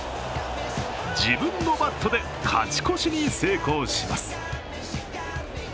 自分のバットで勝ち越しに成功します。